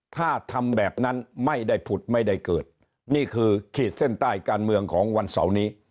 ถ้าทำแบบนั้นไม่ได้ผุดไม่ได้เกิดนี่คือขีดเส้นใต้การเมืองของวันเสาร์นี้